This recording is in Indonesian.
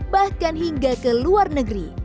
bahkan hingga ke luar negeri